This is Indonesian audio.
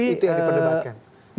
itu yang diperdebatkan